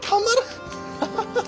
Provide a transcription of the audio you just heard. ハハハッ！